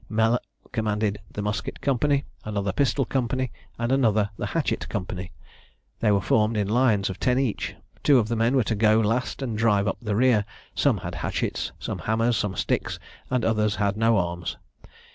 Mellor commanded the musket company, another the pistol company, and another the hatchet company: they were formed in lines of ten each. Two of the men were to go last and drive up the rear. Some had hatchets, some hammers, some sticks, and others had no arms.